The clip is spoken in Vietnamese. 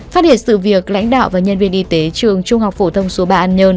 phát hiện sự việc lãnh đạo và nhân viên y tế trường trung học phổ thông số ba an nhơn